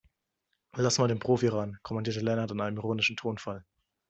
Lass mal den Profi ran, kommandierte Lennart in einem ironischen Tonfall.